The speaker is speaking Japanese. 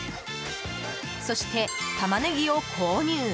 そして、タマネギを購入。